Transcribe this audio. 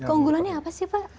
keunggulannya apa sih pak